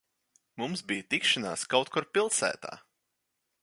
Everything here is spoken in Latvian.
Mums bija tikšanās kaut kur pilsētā.